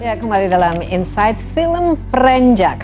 ya kembali dalam inside film prenjak